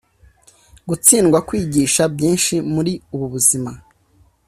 gutsindwa kwigisha byinshi muri ubu buzima